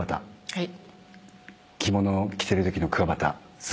はい。